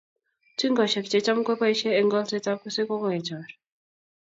Tingoshek che cham keboishe eng' kolset ab keswek ko kokechor